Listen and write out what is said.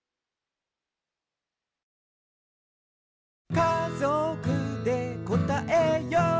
「かぞくでこたえよう」